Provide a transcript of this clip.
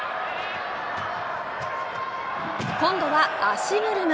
今度は足車。